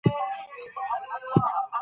د کورنۍ د غړو اړتیاوې وپیژنئ.